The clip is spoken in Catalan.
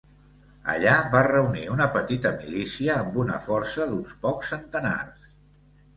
Allà va reunir una petita milícia amb una força d'uns pocs centenars.